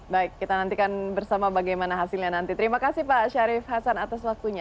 baik kita nantikan bersama bagaimana hasilnya nanti terima kasih pak syarif hasan atas waktunya